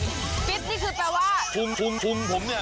ฟิตนี่คือเป็นว่า